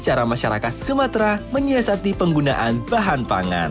cara masyarakat sumatera menyiasati penggunaan bahan pangan